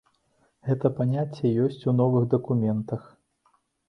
Гэта паняцце ёсць у новых дакументах.